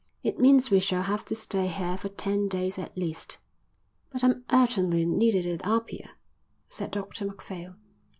"It means we shall have to stay here for ten days at least." "But I'm urgently needed at Apia," said Dr Macphail.